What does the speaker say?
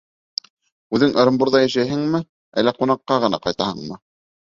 — Үҙең Ырымбурҙа йәшәйһеңме, әллә ҡунаҡҡа ғына ҡайтаһыңмы?